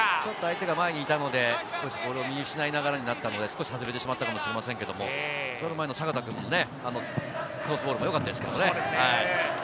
ちょっと相手が前にいたのでボールを見失いながらになったので、少し外れてしまったのかもしれませんけれど、その前の阪田君、クロスボール、よかったですね。